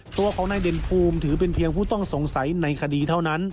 ตัวของนายเด่นภูมิถือเป็นเพียงผู้ต้องสงสัยในคดีเท่านั้น